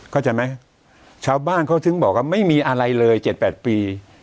เข้าใจไหมชาวบ้านเขาถึงบอกว่าไม่มีอะไรเลย๗๘ปี